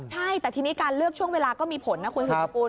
ใช่แต่ทีนี้การเลือกช่วงเวลาก็มีผลนะคุณสุดสกุล